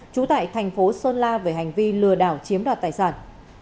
trú tại thành phố sơn la về hành vi lừa đảo chiếm đoạt tài sản